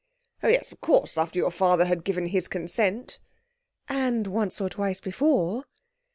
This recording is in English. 'Oh, yes, of course; after your father had given his consent.' 'And once or twice before.'